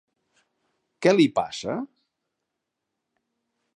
Què li passa?